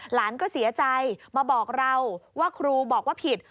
หลานก็เสียใจมาบอกเราว่าครูบอกว่าผิด